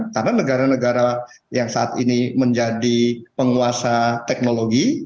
karena negara negara yang saat ini menjadi penguasa teknologi